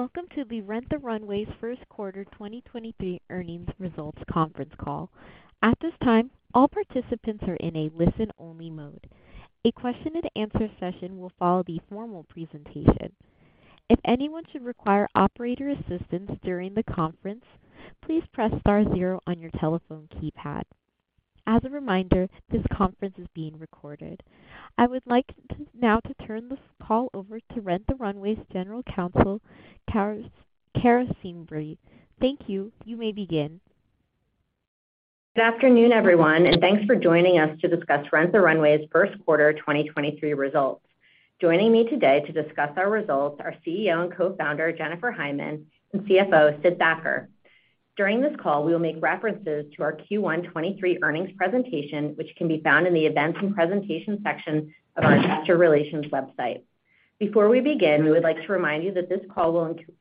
Welcome to the Rent the Runway's first quarter 2023 earnings results conference call. At this time, all participants are in a listen-only mode. A question and answer session will follow the formal presentation. If anyone should require operator assistance during the conference, please press star zero on your telephone keypad. As a reminder, this conference is being recorded. I would like to now turn this call over to Rent the Runway's General Counsel, Cara Schembri. Thank you. You may begin. Good afternoon, everyone, thanks for joining us to discuss Rent the Runway's first quarter 2023 results. Joining me today to discuss our results are CEO and Co-Founder, Jennifer Hyman, and CFO, Sid Thacker. During this call, we will make references to our Q1 2023 earnings presentation, which can be found in the Events and Presentation section of our investor relations website. Before we begin, we would like to remind you that this call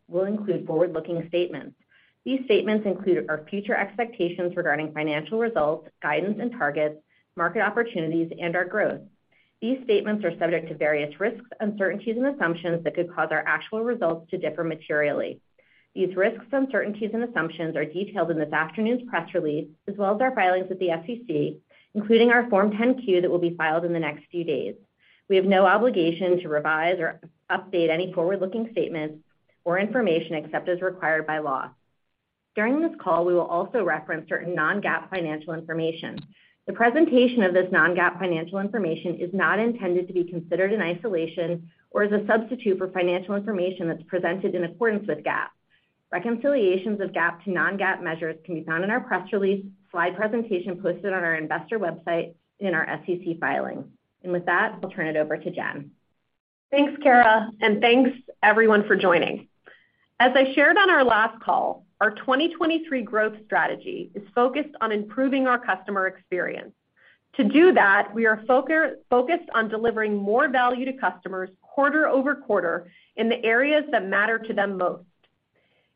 will include forward-looking statements. These statements include our future expectations regarding financial results, guidance and targets, market opportunities, and our growth. These statements are subject to various risks, uncertainties, and assumptions that could cause our actual results to differ materially. These risks, uncertainties and assumptions are detailed in this afternoon's press release, as well as our filings with the SEC, including our Form 10-Q, that will be filed in the next few days. We have no obligation to revise or update any forward-looking statements or information except as required by law. During this call, we will also reference certain non-GAAP financial information. The presentation of this non-GAAP financial information is not intended to be considered in isolation or as a substitute for financial information that's presented in accordance with GAAP. Reconciliations of GAAP to non-GAAP measures can be found in our press release, slide presentation posted on our investor website in our SEC filing. With that, I'll turn it over to Jen. Thanks, Cara. Thanks everyone for joining. As I shared on our last call, our 2023 growth strategy is focused on improving our customer experience. To do that, we are focused on delivering more value to customers quarter-over-quarter in the areas that matter to them most.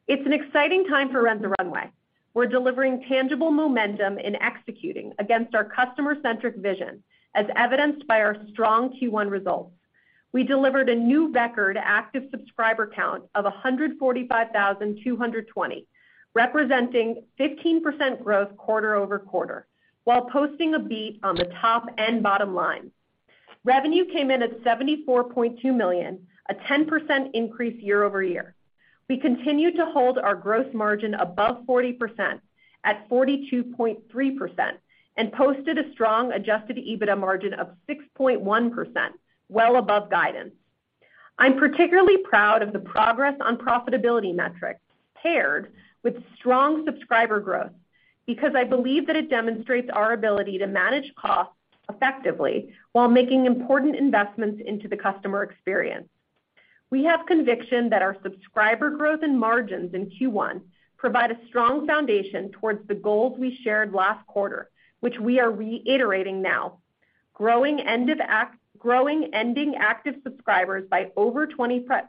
It's an exciting time for Rent the Runway. We're delivering tangible momentum in executing against our customer-centric vision, as evidenced by our strong Q1 results. We delivered a new record active subscriber count of 145,220, representing 15% growth quarter-over-quarter, while posting a beat on the top and bottom line. Revenue came in at $74.2 million, a 10% increase year-over-year. We continued to hold our gross margin above 40% at 42.3% and posted a strong adjusted EBITDA margin of 6.1%, well above guidance. I'm particularly proud of the progress on profitability metrics, paired with strong subscriber growth, because I believe that it demonstrates our ability to manage costs effectively while making important investments into the customer experience. We have conviction that our subscriber growth and margins in Q1 provide a strong foundation towards the goals we shared last quarter, which we are reiterating now. Growing ending active subscribers by over 25%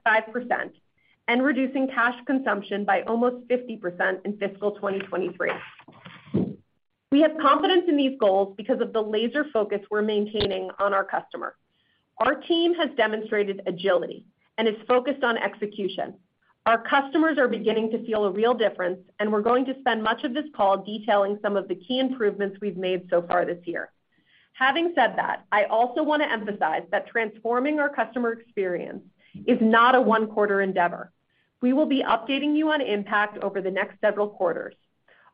and reducing cash consumption by almost 50% in fiscal 2023. We have confidence in these goals because of the laser focus we're maintaining on our customer. Our team has demonstrated agility and is focused on execution. Our customers are beginning to feel a real difference. We're going to spend much of this call detailing some of the key improvements we've made so far this year. Having said that, I also want to emphasize that transforming our customer experience is not a one-quarter endeavor. We will be updating you on impact over the next several quarters.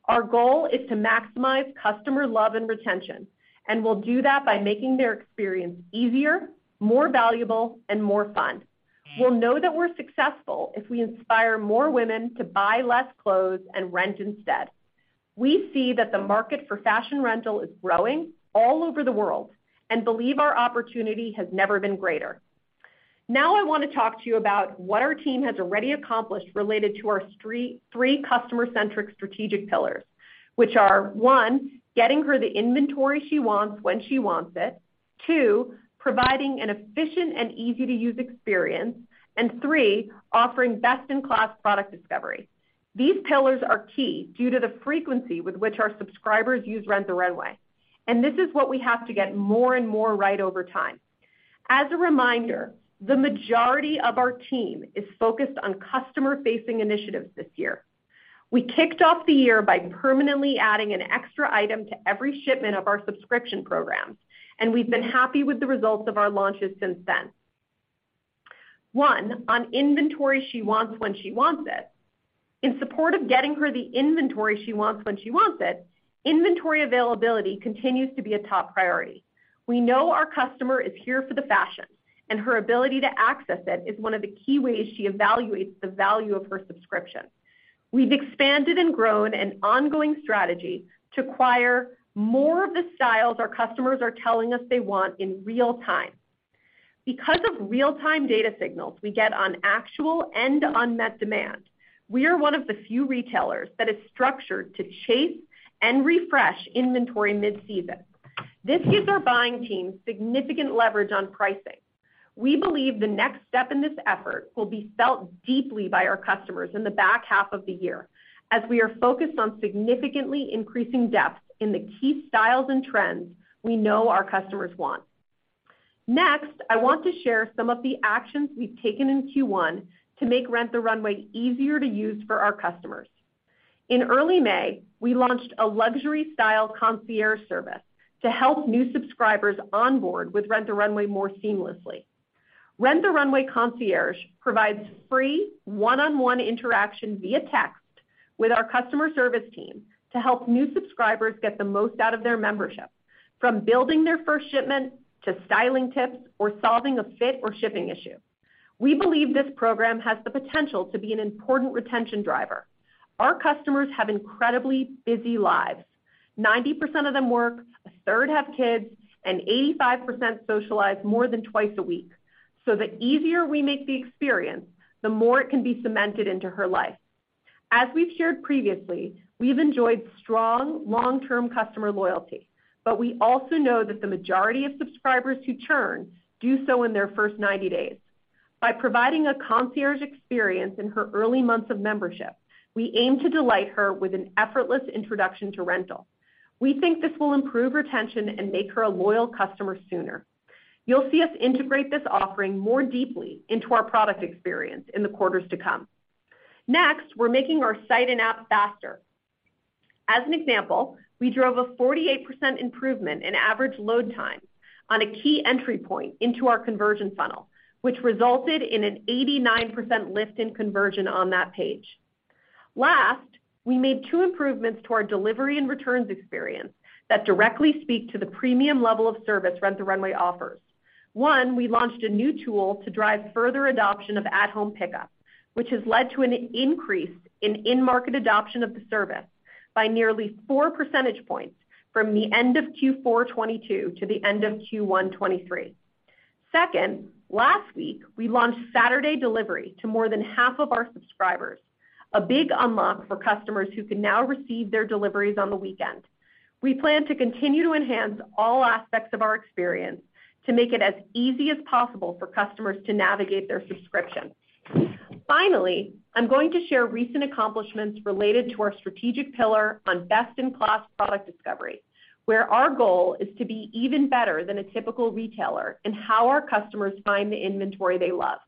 Our goal is to maximize customer love and retention. We'll do that by making their experience easier, more valuable, and more fun. We'll know that we're successful if we inspire more women to buy less clothes and rent instead. We see that the market for fashion rental is growing all over the world and believe our opportunity has never been greater. I want to talk to you about what our team has already accomplished related to our three customer-centric strategic pillars, which are, one, getting her the inventory she wants when she wants it. Two, providing an efficient and easy-to-use experience, and three, offering best-in-class product discovery. These pillars are key due to the frequency with which our subscribers use Rent the Runway. This is what we have to get more and more right over time. As a reminder, the majority of our team is focused on customer-facing initiatives this year. We kicked off the year by permanently adding an extra item to every shipment of our subscription programs. We've been happy with the results of our launches since then. One, on inventory she wants when she wants it. In support of getting her the inventory she wants when she wants it, inventory availability continues to be a top priority. We know our customer is here for the fashion, and her ability to access it is one of the key ways she evaluates the value of her subscription. We've expanded and grown an ongoing strategy to acquire more of the styles our customers are telling us they want in real time. Because of real-time data signals we get on actual and unmet demand, we are one of the few retailers that is structured to chase and refresh inventory mid-season. This gives our buying team significant leverage on pricing. We believe the next step in this effort will be felt deeply by our customers in the back half of the year, as we are focused on significantly increasing depth in the key styles and trends we know our customers want. Next, I want to share some of the actions we've taken in Q1 to make Rent the Runway easier to use for our customers. In early May, we launched a luxury style concierge service to help new subscribers onboard with Rent the Runway more seamlessly. Rent the Runway Concierge provides free one-on-one interaction via text with our customer service team to help new subscribers get the most out of their membership, from building their first shipment, to styling tips, or solving a fit or shipping issue. We believe this program has the potential to be an important retention driver. Our customers have incredibly busy lives. 90% of them work, a third have kids, and 85% socialize more than twice a week. The easier we make the experience, the more it can be cemented into her life. We've shared previously, we've enjoyed strong, long-term customer loyalty. We also know that the majority of subscribers who churn do so in their first 90 days. By providing a concierge experience in her early months of membership, we aim to delight her with an effortless introduction to rental. We think this will improve retention and make her a loyal customer sooner. You'll see us integrate this offering more deeply into our product experience in the quarters to come. We're making our site and app faster. As an example, we drove a 48% improvement in average load time on a key entry point into our conversion funnel, which resulted in an 89% lift in conversion on that page. We made two improvements to our delivery and returns experience that directly speak to the premium level of service Rent the Runway offers. One, we launched a new tool to drive further adoption of at-home pickup, which has led to an increase in in-market adoption of the service by nearly four percentage points from the end of Q4 2022 to the end of Q1 2023. Second, last week, we launched Saturday delivery to more than half of our subscribers, a big unlock for customers who can now receive their deliveries on the weekend. We plan to continue to enhance all aspects of our experience to make it as easy as possible for customers to navigate their subscription. Finally, I'm going to share recent accomplishments related to our strategic pillar on best-in-class product discovery, where our goal is to be even better than a typical retailer in how our customers find the inventory they love.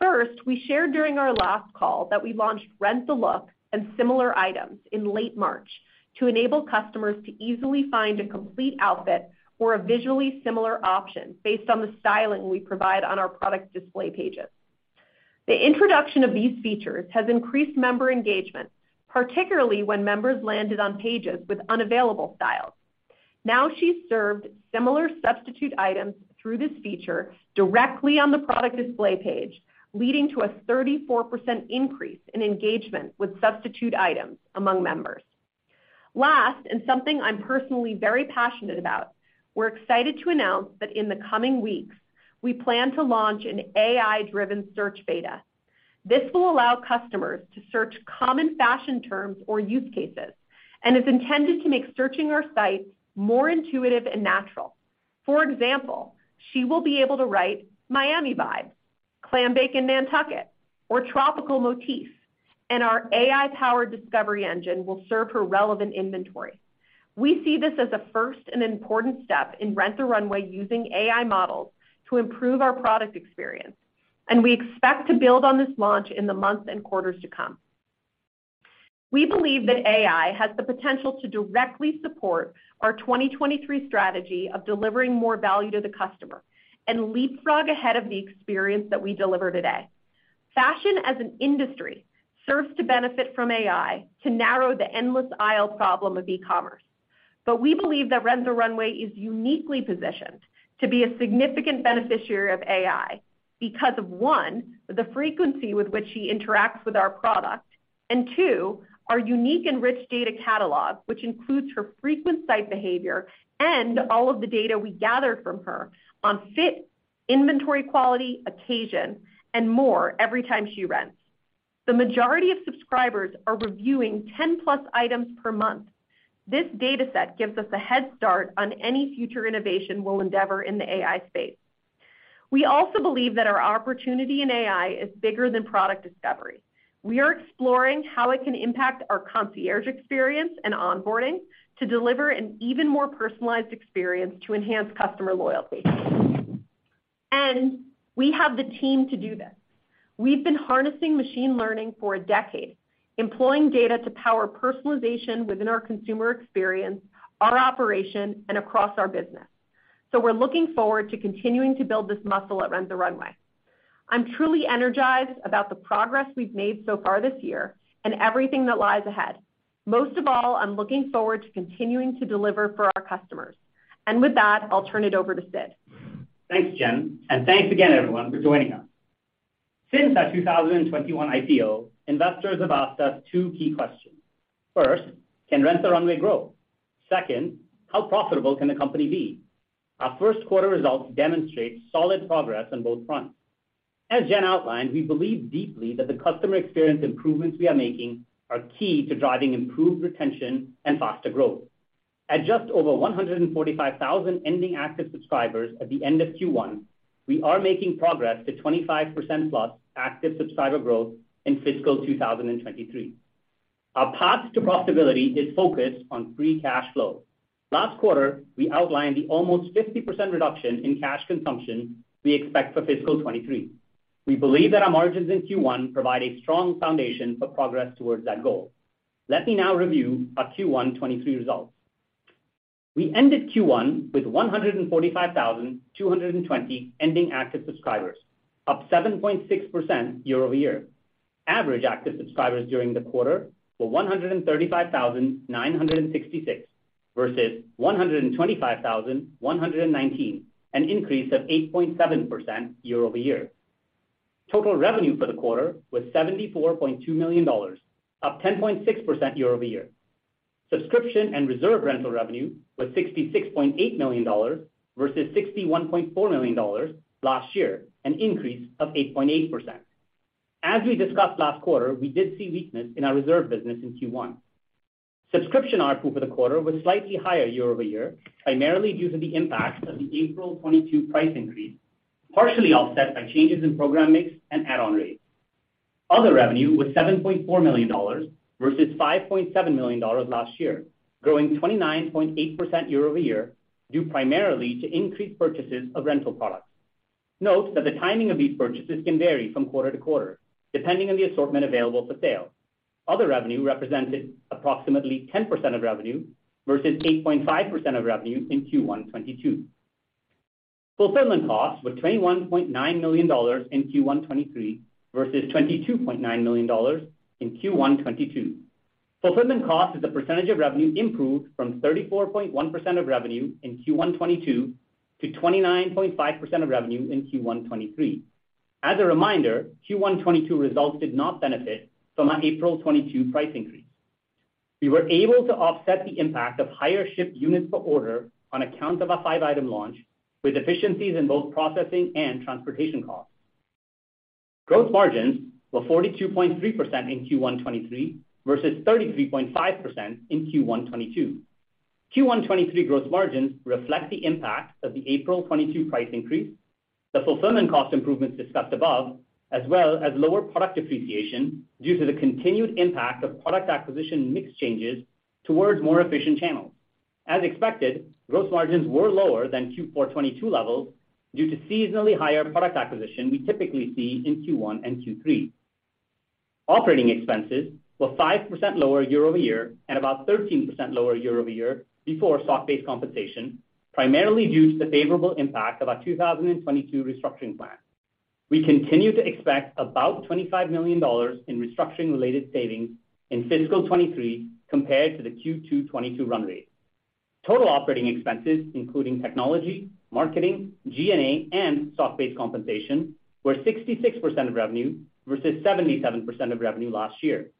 First, we shared during our last call that we launched Rent the Look and Similar Items in late March to enable customers to easily find a complete outfit or a visually similar option based on the styling we provide on our product display pages. The introduction of these features has increased member engagement, particularly when members landed on pages with unavailable styles. She's served similar substitute items through this feature directly on the product display page, leading to a 34% increase in engagement with substitute items among members. Something I'm personally very passionate about, we're excited to announce that in the coming weeks, we plan to launch an AI-driven search beta. This will allow customers to search common fashion terms or use cases, and is intended to make searching our site more intuitive and natural. For example, she will be able to write, Miami vibe, Clam Bake in Nantucket, or Tropical Motif, and our AI-powered discovery engine will serve her relevant inventory. We see this as a first and important step in Rent the Runway, using AI models to improve our product experience, and we expect to build on this launch in the months and quarters to come. We believe that AI has the potential to directly support our 2023 strategy of delivering more value to the customer, and leapfrog ahead of the experience that we deliver today. Fashion, as an industry, serves to benefit from AI to narrow the endless aisle problem of e-commerce. We believe that Rent the Runway is uniquely positioned to be a significant beneficiary of AI because of, one, the frequency with which she interacts with our product, and two, our unique and rich data catalog, which includes her frequent site behavior and all of the data we gathered from her on fit, inventory, quality, occasion, and more every time she rents. The majority of subscribers are reviewing 10-plus items per month. This data set gives us a head start on any future innovation we'll endeavor in the AI space. We also believe that our opportunity in AI is bigger than product discovery. We are exploring how it can impact our concierge experience and onboarding to deliver an even more personalized experience to enhance customer loyalty. And we have the team to do this. We've been harnessing machine learning for a decade, employing data to power personalization within our consumer experience, our operation, and across our business. We're looking forward to continuing to build this muscle at Rent the Runway. I'm truly energized about the progress we've made so far this year and everything that lies ahead. Most of all, I'm looking forward to continuing to deliver for our customers. With that, I'll turn it over to Sid. Thanks, Jen, thanks again, everyone, for joining us. Since our 2021 IPO, investors have asked us two key questions: First, can Rent the Runway grow? Second, how profitable can the company be? Our first quarter results demonstrate solid progress on both fronts. As Jen outlined, we believe deeply that the customer experience improvements we are making are key to driving improved retention and faster growth. At just over 145,000 ending active subscribers at the end of Q1, we are making progress to 25%-plus active subscriber growth in fiscal 2023. Our path to profitability is focused on free cash flow. Last quarter, we outlined the almost 50% reduction in cash consumption we expect for fiscal 2023. We believe that our margins in Q1 provide a strong foundation for progress towards that goal. Let me now review our Q1 2023 results. We ended Q1 with 145,220 ending active subscribers, up 7.6% year-over-year. Average active subscribers during the quarter were 135,966, versus 125,119, an increase of 8.7% year-over-year. Total revenue for the quarter was $74.2 million, up 10.6% year-over-year. Subscription and reserve rental revenue was $66.8 million, versus $61.4 million last year, an increase of 8.8%. As we discussed last quarter, we did see weakness in our reserve business in Q1. Subscription ARPU for the quarter was slightly higher year-over-year, primarily due to the impact of the April 2022 price increase, partially offset by changes in program mix and add-on rates. Other revenue was $7.4 million, versus $5.7 million last year, growing 29.8% year-over-year, due primarily to increased purchases of rental products. Note that the timing of these purchases can vary from quarter-to-quarter, depending on the assortment available for sale. Other revenue represented approximately 10% of revenue, versus 8.5% of revenue in Q1 2022. Fulfillment costs were $21.9 million in Q1 2023, versus $22.9 million in Q1 2022. Fulfillment cost as a percentage of revenue improved from 34.1% of revenue in Q1 2022, to 29.5% of revenue in Q1 2023. As a reminder, Q1 2022 results did not benefit from our April 2022 price increase. We were able to offset the impact of higher shipped units per order on account of a 5-Item launch, with efficiencies in both processing and transportation costs. Gross margins were 42.3% in Q1 2023, versus 33.5% in Q1 2022. Q1 2023 Gross margins reflect the impact of the April 2022 price increase, the fulfillment cost improvements discussed above, as well as lower product depreciation due to the continued impact of product acquisition mix changes towards more efficient channels. As expected, Gross margins were lower than Q4 2022 levels due to seasonally higher product acquisition we typically see in Q1 and Q3. Operating expenses were 5% lower year-over-year, and about 13% lower year-over-year before stock-based compensation, primarily due to the favorable impact of our 2022 restructuring plan. We continue to expect about $25 million in restructuring-related savings in fiscal 2023, compared to the Q2 2022 run-rate. Total operating expenses, including technology, marketing, G&A, and stock-based compensation, were 66% of revenue, versus 77% of revenue last year.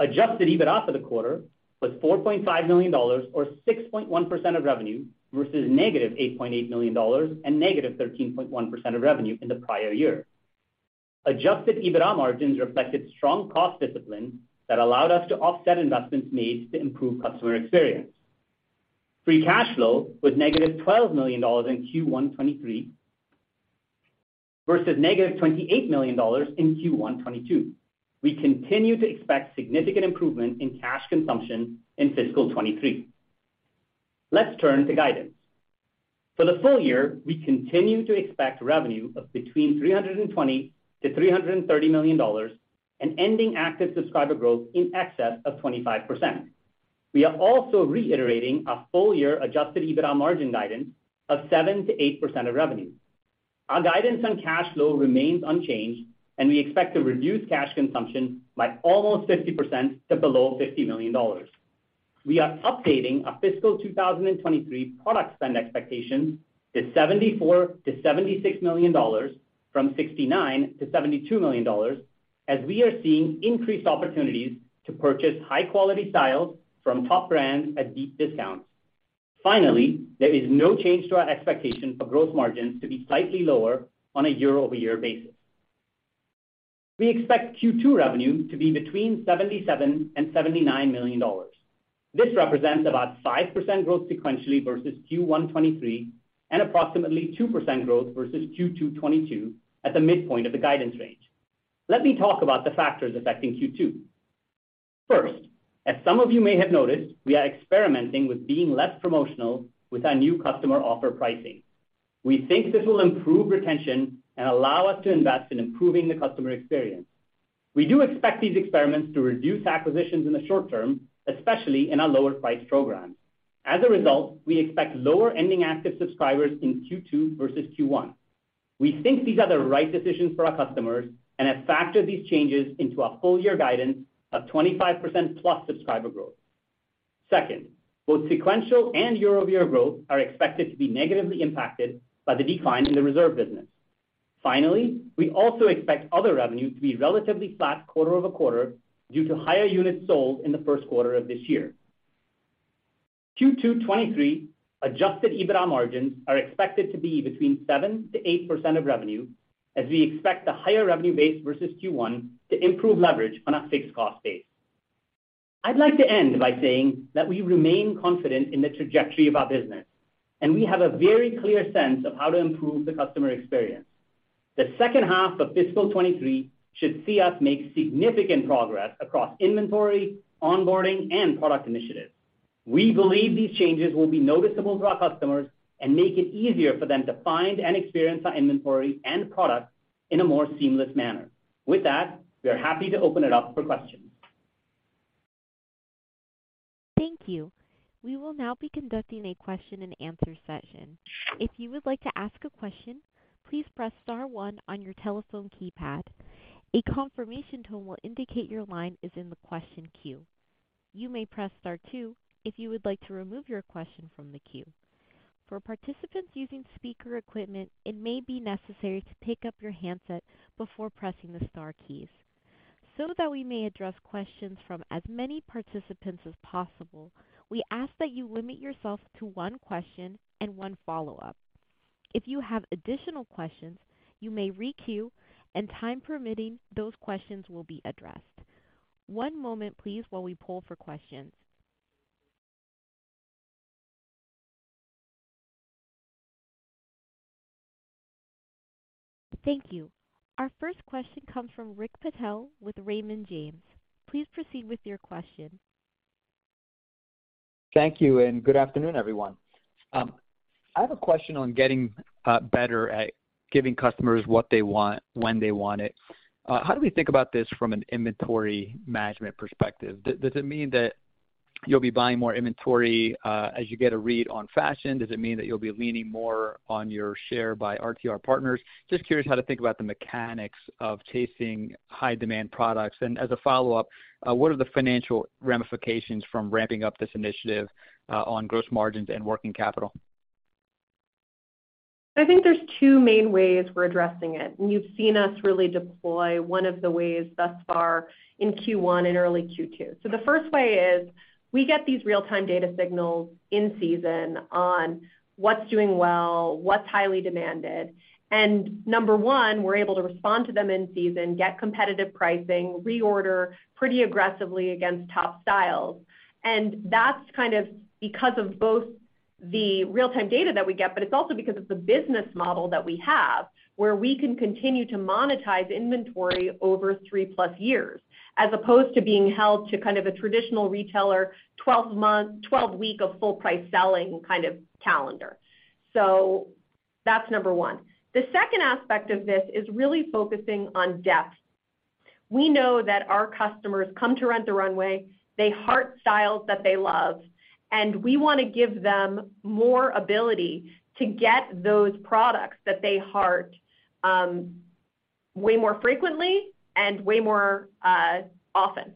Adjusted EBITDA for the quarter was $4.5 million or 6.1% of revenue, versus -$8.8 million and -13.1% of revenue in the prior year. Adjusted EBITDA margins reflected strong cost discipline that allowed us to offset investments made to improve customer experience. Free cash flow was -$12 million in Q1 2023, versus -$28 million in Q1 2022. We continue to expect significant improvement in cash consumption in fiscal 2023. Let's turn to guidance. For the full year, we continue to expect revenue of between $320 million-$330 million, and ending active subscriber growth in excess of 25%. We are also reiterating our full year adjusted EBITDA margin guidance of 7%-8% of revenue. Our guidance on cash flow remains unchanged, and we expect to reduce cash consumption by almost 50% to below $50 million. We are updating our fiscal 2023 product spend expectations to $74 million-$76 million, from $69 million-$72 million, as we are seeing increased opportunities to purchase high-quality styles from top brands at deep discounts. There is no change to our expectation for growth margins to be slightly lower on a year-over-year basis. We expect Q2 revenue to be between $77 million and $79 million. This represents about 5% growth sequentially versus Q1 2023, and approximately 2% growth versus Q2 2022 at the midpoint of the guidance range. Let me talk about the factors affecting Q2. As some of you may have noticed, we are experimenting with being less promotional with our new customer offer pricing. We think this will improve retention and allow us to invest in improving the customer experience. We do expect these experiments to reduce acquisitions in the short term, especially in our lower priced programs. We expect lower ending active subscribers in Q2 versus Q1. We think these are the right decisions for our customers and have factored these changes into our full year guidance of 25%+ subscriber growth. Second, both sequential and year-over-year growth are expected to be negatively impacted by the decline in the reserve business. Finally, we also expect other revenue to be relatively flat quarter-over-quarter due to higher units sold in the first quarter of this year. Q2 2023 adjusted EBITDA margins are expected to be between 7%-8% of revenue, as we expect the higher revenue base versus Q1 to improve leverage on a fixed cost base. I'd like to end by saying that we remain confident in the trajectory of our business, and we have a very clear sense of how to improve the customer experience. The second half of fiscal 2023 should see us make significant progress across inventory, onboarding, and product initiatives. We believe these changes will be noticeable to our customers and make it easier for them to find and experience our inventory and products in a more seamless manner. With that, we are happy to open it up for questions. Thank you. We will now be conducting a question-and-answer session. If you would like to ask a question, please press star 1 on your telephone keypad. A confirmation tone will indicate your line is in the question queue. You may press star 2 if you would like to remove your question from the queue. For participants using speaker equipment, it may be necessary to pick up your handset before pressing the star keys. So that we may address questions from as many participants as possible, we ask that you limit yourself to one question and one follow-up. If you have additional questions, you may re-queue, and time permitting, those questions will be addressed. one moment, please, while we poll for questions. Thank you. Our first question comes from Rick Patel with Raymond James. Please proceed with your question. Thank you, good afternoon, everyone. I have a question on getting better at giving customers what they want, when they want it. How do we think about this from an inventory management perspective? Does it mean that you'll be buying more inventory as you get a read on fashion? Does it mean that you'll be leaning more on your Share by RTR partners? Just curious how to think about the mechanics of chasing high-demand products. As a follow-up, what are the financial ramifications from ramping up this initiative on gross margins and working capital? I think there's two main ways we're addressing it. You've seen us really deploy one of the ways thus far in Q1 and early Q2. The first way is, we get these real-time data signals in season on what's doing well, what's highly demanded. Number one, we're able to respond to them in season, get competitive pricing, reorder pretty aggressively against top styles. That's kind of because of both the real-time data that we get, but it's also because of the business model that we have, where we can continue to monetize inventory over three plus years, as opposed to being held to kind of a traditional retailer, 12 months, 12 week of full price selling kind of calendar. That's number 1. The second aspect of this is really focusing on depth. We know that our customers come to Rent the Runway, they heart styles that they love, and we want to give them more ability to get those products that they heart, way more frequently and way more often.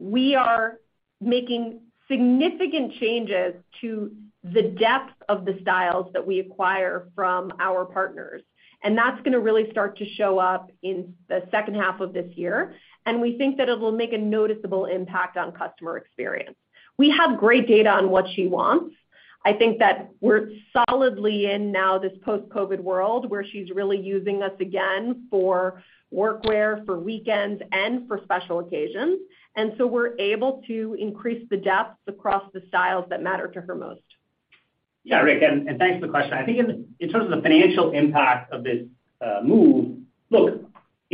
We are making significant changes to the depth of the styles that we acquire from our partners, and that's gonna really start to show up in the second half of this year, and we think that it'll make a noticeable impact on customer experience. We have great data on what she wants. I think that we're solidly in now this post-COVID world, where she's really using us again for work wear, for weekends, and for special occasions, and so we're able to increase the depth across the styles that matter to her most. Yeah, Rick, and thanks for the question. I think in terms of the financial impact of this move, look,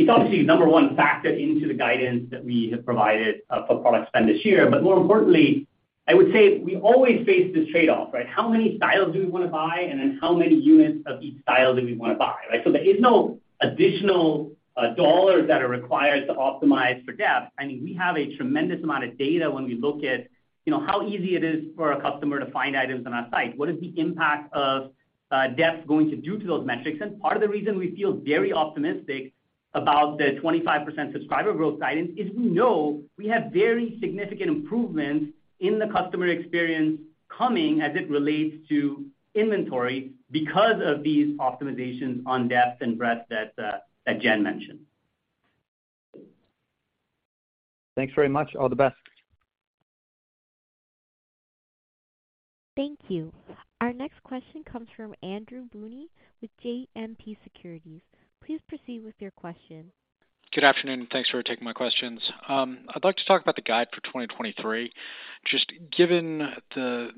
it's obviously, number one, factored into the guidance that we have provided for product spend this year. More importantly, I would say we always face this trade-off, right? How many styles do we wanna buy, and then how many units of each style do we wanna buy, right? There is no additional dollars that are required to optimize for depth. I mean, we have a tremendous amount of data when we look at, you know, how easy it is for a customer to find items on our site. What is the impact of depth going to do to those metrics? Part of the reason we feel very optimistic about the 25% subscriber growth guidance is we know we have very significant improvements in the customer experience coming as it relates to inventory because of these optimizations on depth and breadth that Jen mentioned. Thanks very much. All the best. Thank you. Our next question comes from Andrew Boone with JMP Securities. Please proceed with your question. Good afternoon, and thanks for taking my questions. I'd like to talk about the guide for 2023. Just given the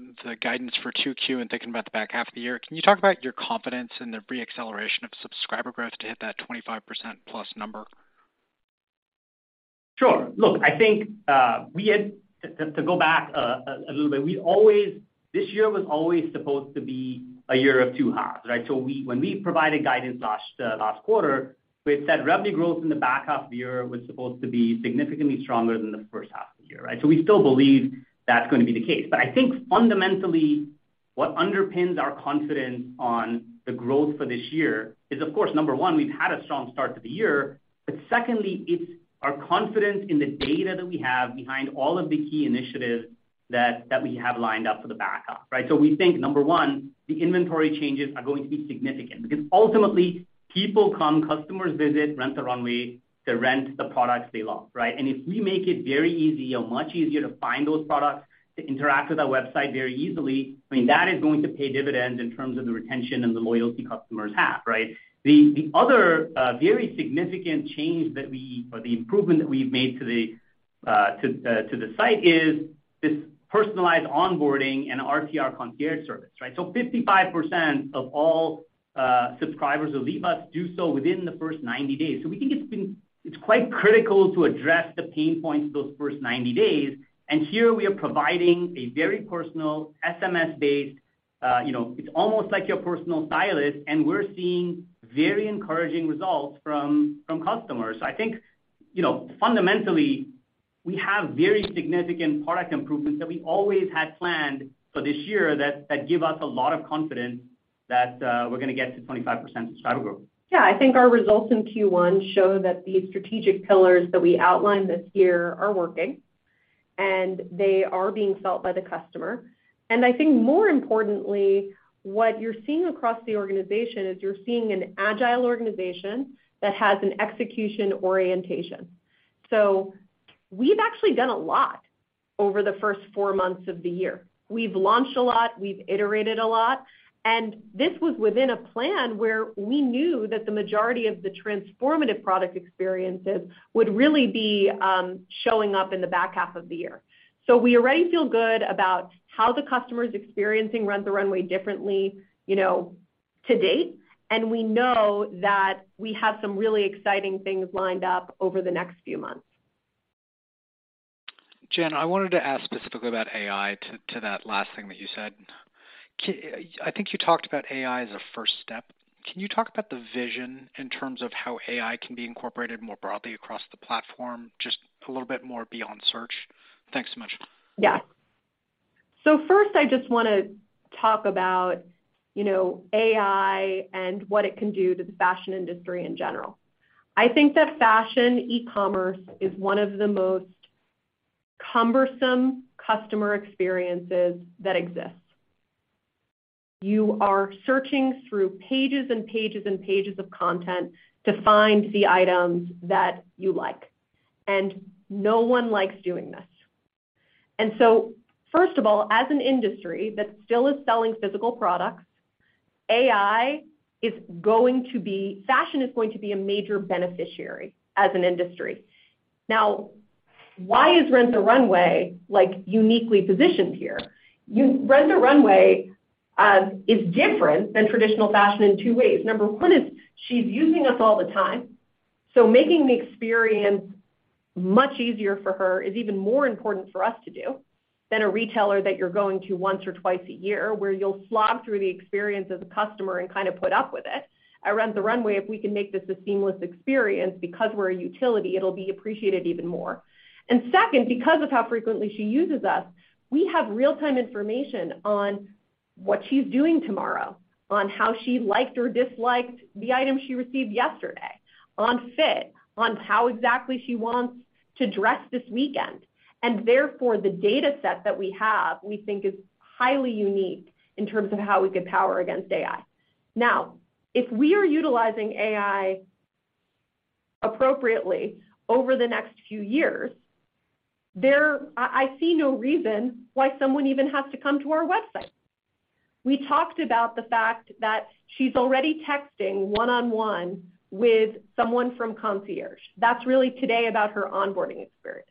guidance for Q2 and thinking about the back half of the year, can you talk about your confidence in the re-acceleration of subscriber growth to hit that 25%-plus number? Sure. Look, I think, this year was always supposed to be a year of two halves, right? When we provided guidance last last quarter, we had said revenue growth in the back half of the year was supposed to be significantly stronger than the first half of the year, right? We still believe that's going to be the case. I think fundamentally, what underpins our confidence on the growth for this year is, of course, number one, we've had a strong start to the year. Secondly, it's our confidence in the data that we have behind all of the key initiatives that we have lined up for the back half, right? We think, number one, the inventory changes are going to be significant because ultimately, people come, customers visit Rent the Runway to rent the products they love, right? If we make it very easy or much easier to find those products, to interact with our website very easily, I mean, that is going to pay dividends in terms of the retention and the loyalty customers have, right? The other very significant change that we, or the improvement that we've made to the site is, this personalized onboarding and RTR Concierge Service, right? 55% of all subscribers who leave us do so within the first 90 days. We think it's quite critical to address the pain points those first 90 days, and here we are providing a very personal SMS-based, you know, it's almost like your personal stylist, and we're seeing very encouraging results from customers. I think, you know, fundamentally, we have very significant product improvements that we always had planned for this year, that give us a lot of confidence that we're going to get to 25% subscriber growth. Yeah, I think our results in Q1 show that the strategic pillars that we outlined this year are working, and they are being felt by the customer. I think more importantly, what you're seeing across the organization, is you're seeing an agile organization that has an execution orientation. We've actually done a lot over the first four months of the year. We've launched a lot, we've iterated a lot, and this was within a plan where we knew that the majority of the transformative product experiences would really be showing up in the back half of the year. We already feel good about how the customer is experiencing Rent the Runway differently, you know, to date, and we know that we have some really exciting things lined up over the next few months. Jen, I wanted to ask specifically about AI to that last thing that you said. I think you talked about AI as a first step. Can you talk about the vision in terms of how AI can be incorporated more broadly across the platform, just a little bit more beyond search? Thanks so much. Yeah. First, I just want to talk about, you know, AI and what it can do to the fashion industry in general. I think that fashion e-commerce is one of the most cumbersome customer experiences that exists. You are searching through pages and pages and pages of content to find the items that you like, and no one likes doing this. First of all, as an industry that still is selling physical products, Fashion is going to be a major beneficiary as an industry. Why is Rent the Runway, like, uniquely positioned here? Rent the Runway is different than traditional fashion in two ways. Number one is, she's using us all the time, so making the experience much easier for her is even more important for us to do, than a retailer that you're going to once or twice a year, where you'll slog through the experience as a customer and kind of put up with it. At Rent the Runway, if we can make this a seamless experience because we're a utility, it'll be appreciated even more. Second, because of how frequently she uses us, we have real-time information on what she's doing tomorrow, on how she liked or disliked the item she received yesterday, on fit, on how exactly she wants to dress this weekend. Therefore, the data-set that we have, we think is highly unique in terms of how we could power against AI. If we are utilizing AI appropriately over the next few years, I see no reason why someone even has to come to our website. We talked about the fact that she's already texting one-on-one with someone from concierge. That's really today about her onboarding experience.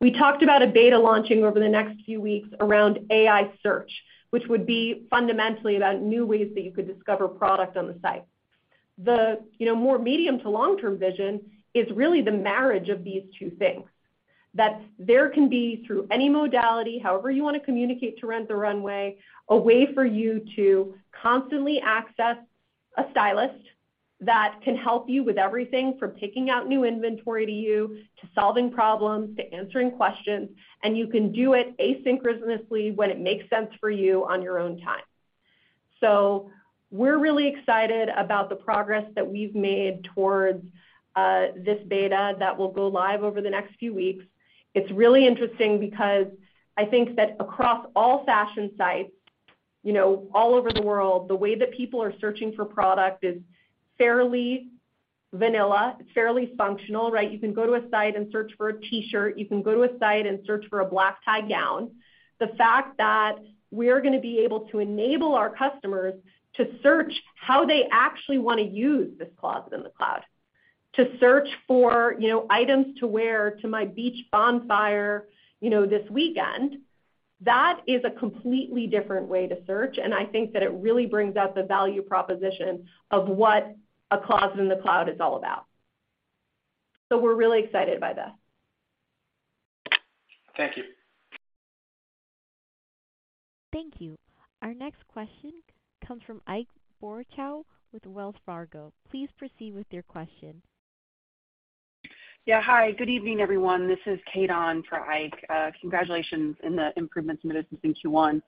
We talked about a beta launching over the next few weeks around AI search, which would be fundamentally about new ways that you could discover product on the site. The, you know, more medium to long-term vision is really the marriage of these two things. That there can be, through any modality, however you want to communicate to Rent the Runway, a way for you to constantly access a stylist that can help you with everything from picking out new inventory to you, to solving problems, to answering questions, and you can do it asynchronously when it makes sense for you on your own time. We're really excited about the progress that we've made towards this beta that will go live over the next few weeks. It's really interesting because I think that across all fashion sites, you know, all over the world, the way that people are searching for product is fairly vanilla, it's fairly functional, right? You can go to a site and search for a t-shirt. You can go to a site and search for a black-tie gown. The fact that we're going to be able to enable our customers to search how they actually want to use this closet in the cloud, to search for, you know, items to wear to my beach bonfire, you know, this weekend, that is a completely different way to search. I think that it really brings out the value proposition of what a closet in the cloud is all about. We're really excited by this. Thank you. Thank you. Our next question comes from Ike Boruchow with Wells Fargo. Please proceed with your question. Yeah. Hi, good evening, everyone. This is Kate on for Ike. Congratulations in the improvements in the business in Q1.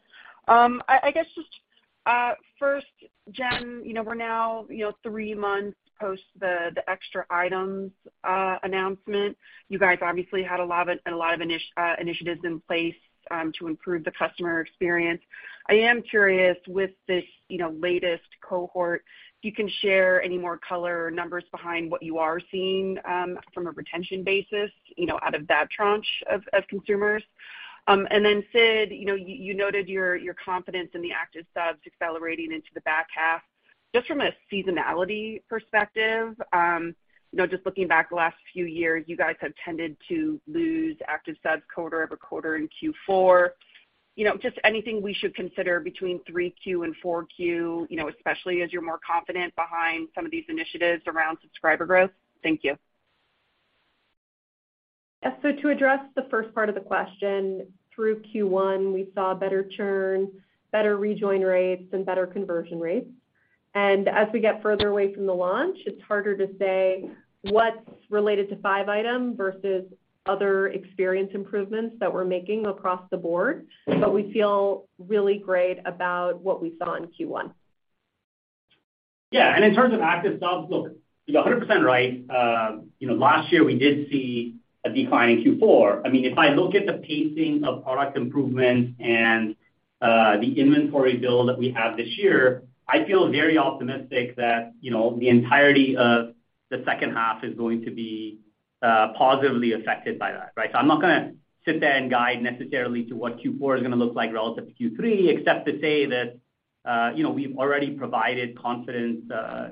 I guess, just, first, Jen, you know, we're now, you know, three months post the extra items announcement. You guys obviously had a lot of, a lot of initiatives in place to improve the customer experience. I am curious, with this, you know, latest cohort, if you can share any more color or numbers behind what you are seeing from a retention basis, you know, out of that tranche of consumers? Then, Sid, you know, you noted your confidence in the active subs accelerating into the back half. Just from a seasonality perspective, you know, just looking back the last few years, you guys have tended to lose active subs quarter-over-quarter in Q4. You know, just anything we should consider between Q3 and Q4, you know, especially as you're more confident behind some of these initiatives around subscriber growth? Thank you. Yeah. To address the first part of the question, through Q1, we saw better churn, better rejoin rates and better conversion rates. As we get further away from the launch, it's harder to say what's related to Buy Item versus other experience improvements that we're making across the board. We feel really great about what we saw in Q1. In terms of active subs, look, you're 100% right. You know, last year we did see a decline in Q4. I mean, if I look at the pacing of product improvements and the inventory build that we have this year, I feel very optimistic that, you know, the entirety of the second half is going to be positively affected by that, right? I'm not going to sit there and guide necessarily to what Q4 is going to look like relative to Q3, except to say that, you know, we've already provided confidence,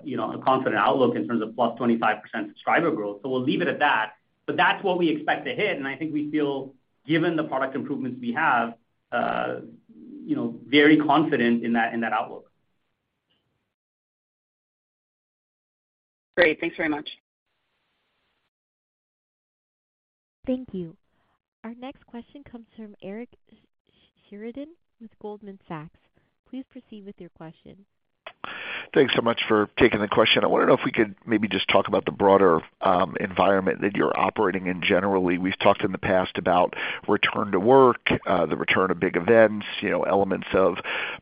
you know, a confident outlook in terms of +25% subscriber growth. We'll leave it at that. That's what we expect to hit, and I think we feel, given the product improvements we have, you know, very confident in that, in that outlook. Great. Thanks very much. Thank you. Our next question comes from Eric Sheridan with Goldman Sachs. Please proceed with your question. Thanks so much for taking the question. I want to know if we could maybe just talk about the broader environment that you're operating in generally. We've talked in the past about return to work, the return of big events, you know, elements of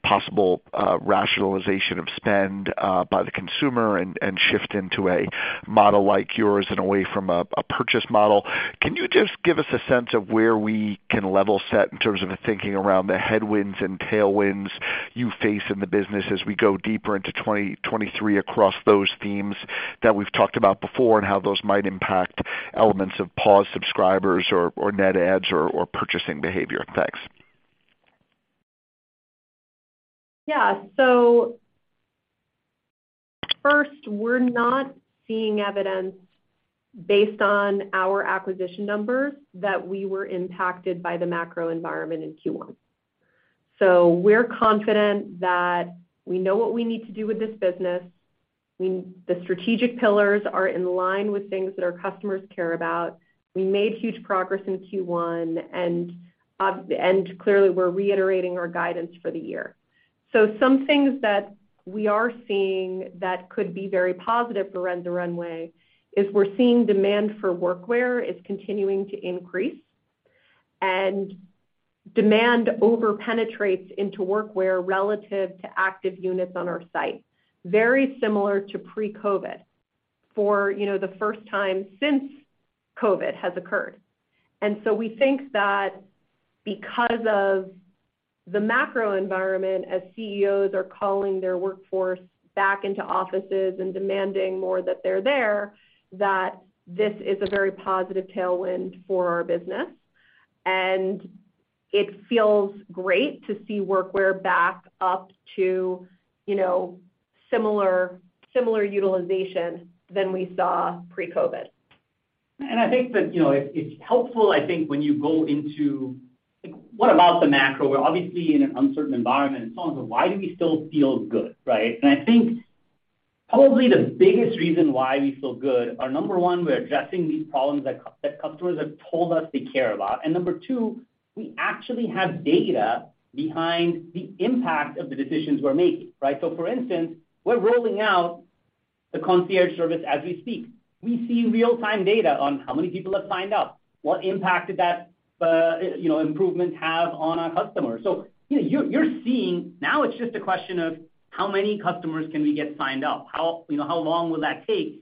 possible rationalization of spend by the consumer and shift into a model like yours and away from a purchase model. Can you just give us a sense of where we can level set in terms of the thinking around the headwinds and tailwinds you face in the business as we go deeper into 2023 across those themes that we've talked about before, and how those might impact elements of pause subscribers or net adds or purchasing behavior? Thanks. Yeah. First, we're not seeing evidence based on our acquisition numbers that we were impacted by the macro environment in Q1. We're confident that we know what we need to do with this business. The strategic pillars are in line with things that our customers care about. We made huge progress in Q1, clearly, we're reiterating our guidance for the year. Some things that we are seeing that could be very positive for Rent the Runway is we're seeing demand for workwear is continuing to increase, and demand over-penetrates into workwear relative to active units on our site, very similar to pre-COVID, for, you know, the first time since COVID has occurred. We think that because of the macro environment, as CEOs are calling their workforce back into offices and demanding more that they're there, that this is a very positive tailwind for our business. It feels great to see workwear back up to, you know, similar utilization than we saw pre-COVID. I think that, you know, it's helpful, I think, when you go into. What about the macro? We're obviously in an uncertain environment, why do we still feel good, right? I think probably the biggest reason why we feel good are, number one, we're addressing these problems that customers have told us they care about, and number two, we actually have data behind the impact of the decisions we're making, right? For instance, we're rolling out the Concierge service as we speak. We see real-time data on how many people have signed up, what impact did that, you know, improvement have on our customers. You're seeing now it's just a question of: how many customers can we get signed up? How, you know, how long will that take?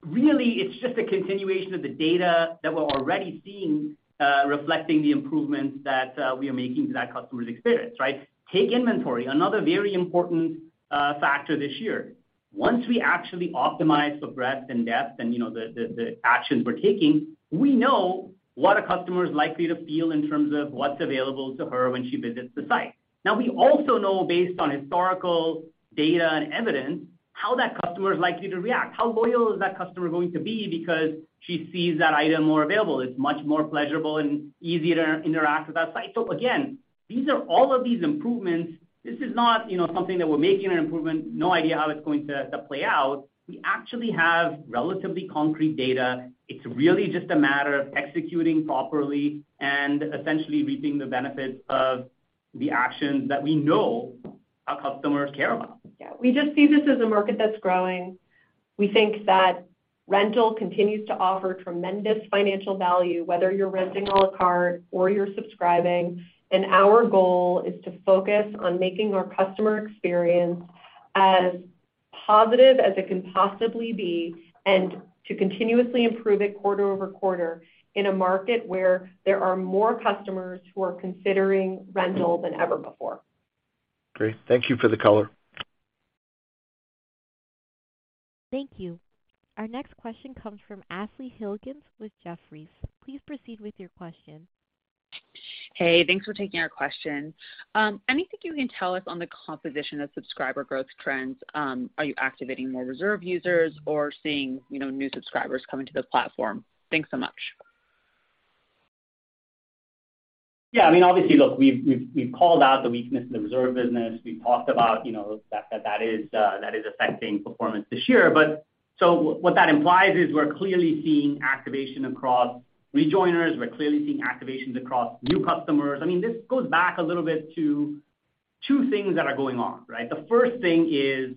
Really, it's just a continuation of the data that we're already seeing, reflecting the improvements that we are making to that customer's experience, right? Take inventory, another very important factor this year. Once we actually optimize for breadth and depth and, you know, the actions we're taking, we know what a customer is likely to feel in terms of what's available to her when she visits the site. Now, we also know, based on historical data and evidence, how that customer is likely to react, how loyal is that customer going to be, because she sees that item more available. It's much more pleasurable and easier to interact with our site. Again, these are all of these improvements. This is not, you know, something that we're making an improvement, no idea how it's going to play out. We actually have relatively concrete data. It's really just a matter of executing properly and essentially reaping the benefits of the actions that we know our customers care about. Yeah, we just see this as a market that's growing. We think that rental continues to offer tremendous financial value, whether you're renting a la carte or you're subscribing. Our goal is to focus on making our customer experience as positive as it can possibly be and to continuously improve it quarter-over-quarter in a market where there are more customers who are considering rental than ever before. Great. Thank you for the color. Thank you. Our next question comes from Ashley Helgans with Jefferies. Please proceed with your question. Hey, thanks for taking our question. Anything you can tell us on the composition of subscriber growth trends? Are you activating more reserve users or seeing, you know, new subscribers coming to the platform? Thanks so much. Yeah, I mean, obviously, look, we've called out the weakness in the reserve business. We've talked about, you know, that is affecting performance this year. What that implies is we're clearly seeing activation across rejoiners. We're clearly seeing activations across new customers. I mean, this goes back a little bit to two things that are going on, right? The first thing is,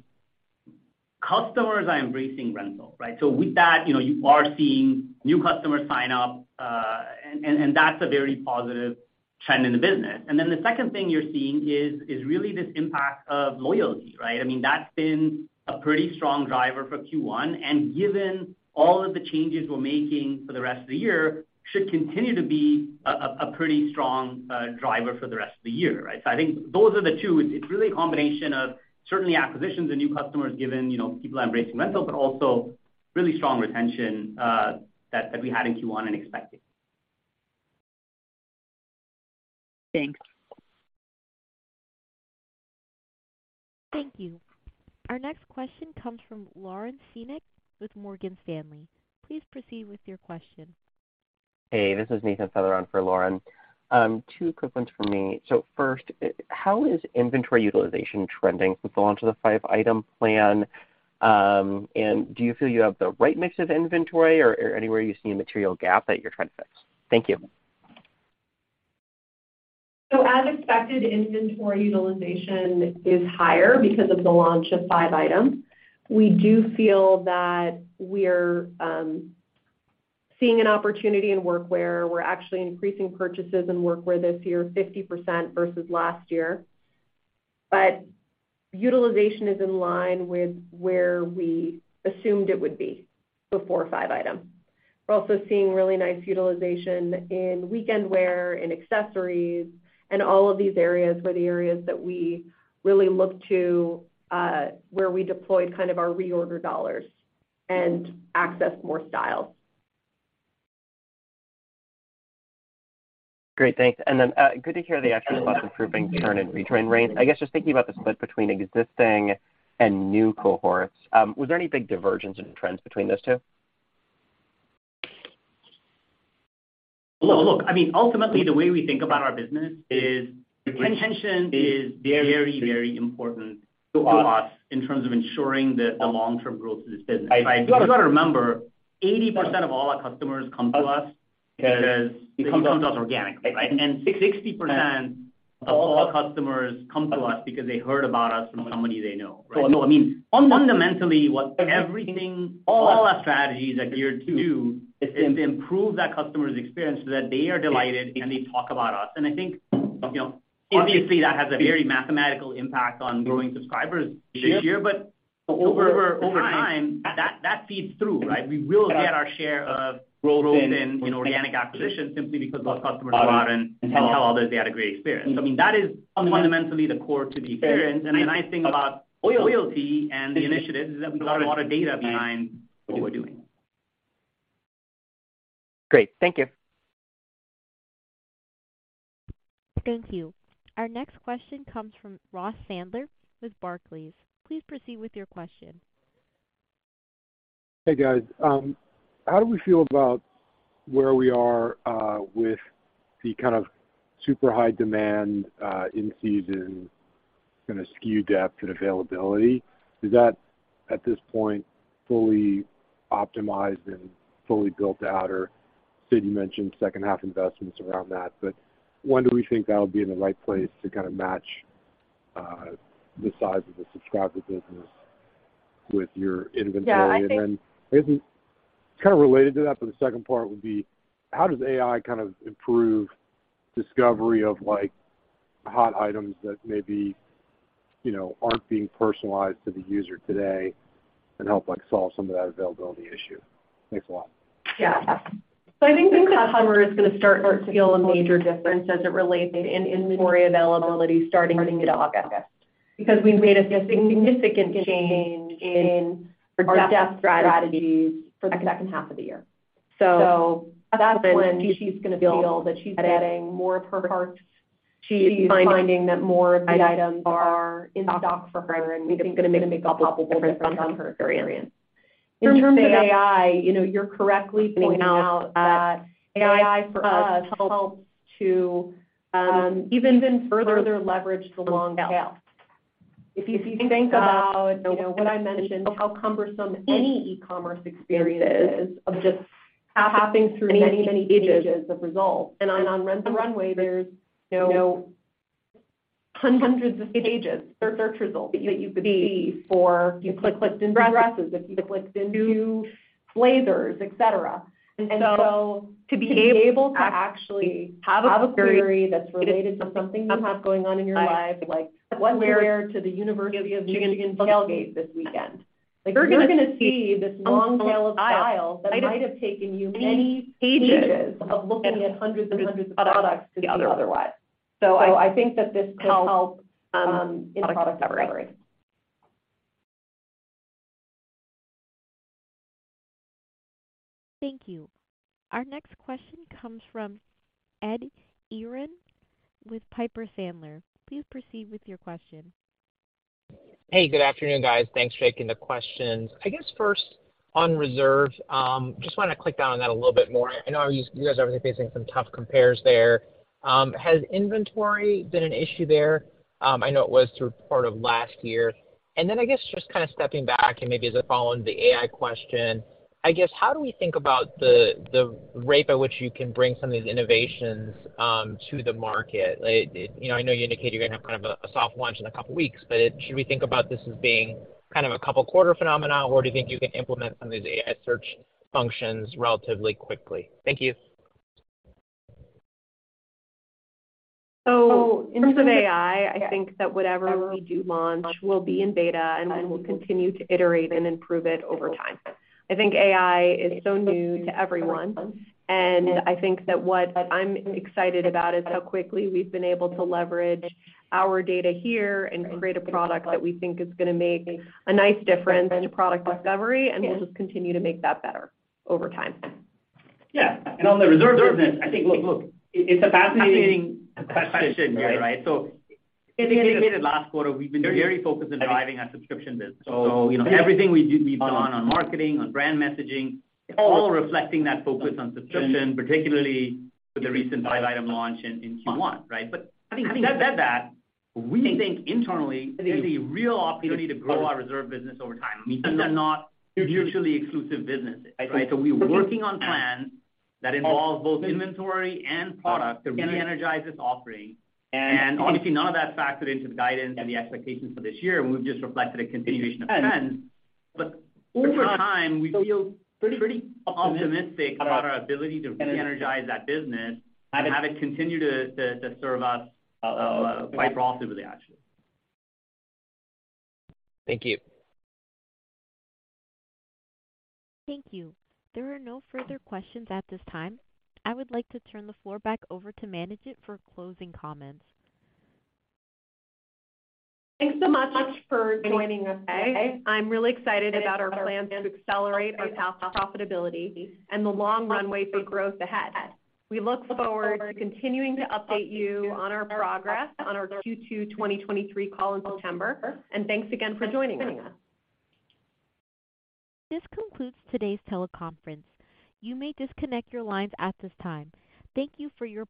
customers are embracing rental, right? With that, you know, you are seeing new customers sign up, and that's a very positive trend in the business. Then the second thing you're seeing is really this impact of loyalty, right? I mean, that's been a pretty strong driver for Q1, and given all of the changes we're making for the rest of the year, should continue to be a pretty strong driver for the rest of the year, right? I think those are the two. It's really a combination of certainly acquisitions and new customers given, you know, people are embracing rental, but also really strong retention that we had in Q1 and expecting. Thanks. Thank you. Our next question comes from Lauren Schenk with Morgan Stanley. Please proceed with your question. Hey, this is Nathan Feather for Lauren. two quick ones for me. First, how is inventory utilization trending with the launch of the 5-Item plan, and do you feel you have the right mix of inventory, or anywhere you see a material gap that you're trying to fix? Thank you. As expected, inventory utilization is higher because of the launch of 5-Item. We do feel that we're seeing an opportunity in work wear. We're actually increasing purchases in work wear this year, 50% versus last year. Utilization is in line with where we assumed it would be before 5-Item. We're also seeing really nice utilization in weekend wear and accessories, and all of these areas were the areas that we really looked to where we deployed kind of our reorder dollars and access more styles. Great, thanks. Good to hear the action about improving return and return rates. I guess just thinking about the split between existing and new cohorts, was there any big divergence in trends between those two? Well, look, I mean, ultimately the way we think about our business is retention is very, very important to us in terms of ensuring the long-term growth of this business. You got to remember, 80% of all our customers come to us because they come to us organically, right? 60% of all our customers come to us because they heard about us from somebody they know. I mean, fundamentally, what everything, all our strategies are geared to do is to improve that customer's experience so that they are delighted, and they talk about us. I think, you know, obviously, that has a very mathematical impact on growing subscribers this year. Over time, that feeds through, right? We will get our share of growth in organic acquisition simply because those customers go out and tell others they had a great experience. I mean, that is fundamentally the core to the experience. The nice thing about loyalty and the initiatives is that we got a lot of data behind what we're doing. Great. Thank you. Thank you. Our next question comes from Ross Sandler with Barclays. Please proceed with your question. Hey, guys. How do we feel about where we are with the kind of super high demand in season and the SKU depth and availability? Is that, at this point, fully optimized and fully built out, or Sid mentioned second-half investments around that, but when do we think that'll be in the right place to kind of match the size of the subscriber business with your inventory? Yeah, I think- Kind of related to that, but the second part would be: How does AI kind of improve discovery of, like, hot items that maybe, you know, aren't being personalized to the user today and help, like, solve some of that availability issue? Thanks a lot. Yeah. I think the customer is going to start to feel a major difference as it relates to in-inventory availability starting in August, because we've made a significant change in our depth strategies for the second half of the year. That's when she's going to feel that she's getting more of her parts. She's finding that more of the items are in stock for her, and we think it's going to make a possible difference from her experience. In terms of AI, you know, you're correctly pointing out that AI, for us, helps to even further leverage the long tail. If you think about, you know, what I mentioned, how cumbersome any e-commerce experience is of just passing through many, many pages of results, and on Rent the Runway, there's, you know, hundreds of pages, search results that you could see for if you clicked into dresses, if you clicked into blazers, etc. To be able to actually have a query that's related to something you have going on in your life, like what to wear to the University of Michigan tailgate this weekend? Like, you're going to see this long tail of styles that might have taken you many pages of looking at hundreds and hundreds of products the other way. I think that this could help in product discovery. Thank you. Our next question comes from Edward Yruma with Piper Sandler. Please proceed with your question. Hey, good afternoon, guys. Thanks for taking the questions. I guess first, on reserve, just want to click on that a little bit more. I know you guys are obviously facing some tough compares there. Has inventory been an issue there? I know it was through part of last year. I guess just stepping back and maybe as a follow-on to the AI question, I guess, how do we think about the rate at which you can bring some of these innovations to the market? Like, you know, I know you indicated you're going to have kind of a soft launch in a couple of weeks, but should we think about this as being kind of a couple-quarter phenomenon, or do you think you can implement some of these AI search functions relatively quickly? Thank you. In terms of AI, I think that whatever we do launch will be in beta, and then we'll continue to iterate and improve it over time. I think AI is so new to everyone, and I think that what I'm excited about is how quickly we've been able to leverage our data here and create a product that we think is going to make a nice difference to product discovery, and we'll just continue to make that better over time. Yeah. On the reserve business, I think, look, it's a fascinating question, right? I think we indicated last quarter, we've been very focused on driving our subscription business. You know, everything we do, we've done on marketing, on brand messaging, it's all reflecting that focus on subscription, particularly with the recent 5-Item launch in Q1, right? Having said that, we think internally, it is a real opportunity to grow our reserve business over time. These are not mutually exclusive businesses, right? We're working on plans that involve both inventory and product to re-energize this offering. Obviously, none of that's factored into the guidance and the expectations for this year. We've just reflected a continuation of trends. Over time, we feel pretty optimistic about our ability to re-energize that business and have it continue to serve us, quite broadly, actually. Thank you. Thank you. There are no further questions at this time. I would like to turn the floor back over to Kara for closing comments. Thanks so much for joining us today. I'm really excited about our plans to accelerate our path to profitability and the long runway for growth ahead. We look forward to continuing to update you on our progress on our Q2 2023 call in September. Thanks again for joining us. This concludes today's teleconference. You may disconnect your lines at this time. Thank you for your participation.